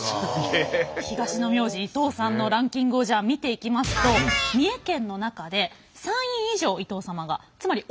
東の名字伊藤さんのランキングを見ていきますと三重県の中で３位以上伊藤様がつまり多い地域が青くなっています。